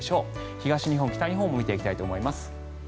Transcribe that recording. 東日本、北日本も見ていきたいと思います。